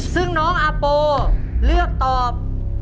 ซึ่งน้องอาโปเลือกตอบ